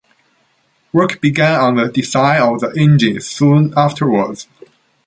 Work began on the design of the engine soon afterwards.